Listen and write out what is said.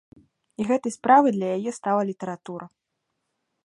І гэтай справай для яе стала літаратура.